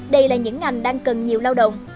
đây là những ngành đang cần nhiều lao động